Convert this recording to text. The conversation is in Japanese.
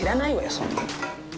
そんなの。